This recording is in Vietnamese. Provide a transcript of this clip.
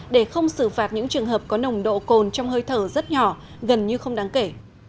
để không xử phạt những trường hợp có nồng độ cồn trong hơi thở rất nhỏ gần như không đáng kể